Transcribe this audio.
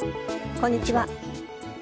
こんにちは。